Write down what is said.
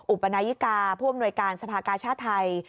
อุปนายิกาผู้อำนวยการสภากาชาติไทย